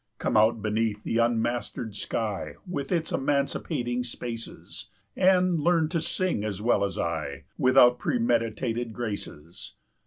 "Come out beneath the unmastered sky, With its emancipating spaces, And learn to sing as well as I, 15 Without premeditated graces.